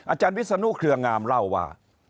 อาจารย์วิศนุเครืองามเล่าว่า